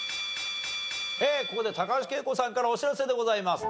ここで高橋惠子さんからお知らせでございます。